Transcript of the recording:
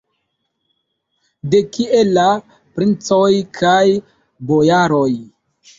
De kie la princoj kaj bojaroj?